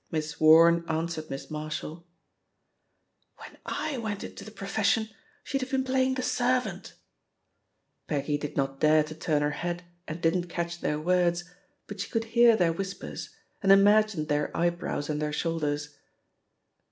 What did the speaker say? Miss Warne answered Miss Marshall, THE POSITION OF PEGGY HARPER «6» When I went into the profession, she'd have been playing the servant I'* Peggy did not dare to turn her head and didn't catch their words, but she could hear their whispers, and imagined their eyebrows and their shoulders.